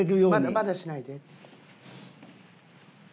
まだしないでって。